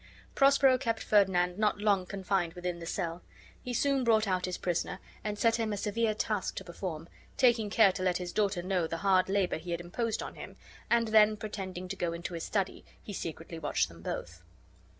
Prospero kept Ferdinand not long confined within the cell: he soon brought out his prisoner, and set him a severe task to perform, taking care to let his daughter know the hard labour he had imposed on him, and then pretending to go into his study, he secretly watched them both.